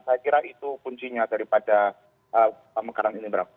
saya kira itu kuncinya daripada pemekaran ini